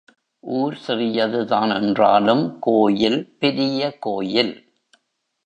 ஊர் சிறியதுதான் என்றாலும் கோயில் பெரிய கோயில்.